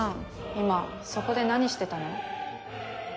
今そこで何してたの？